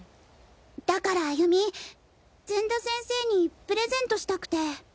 だから歩美善田先生にプレゼントしたくて。